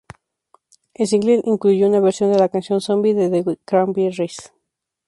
El single incluye una versión de la canción ""Zombie"" de The Cranberries.